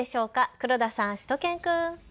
黒田さん、しゅと犬くん。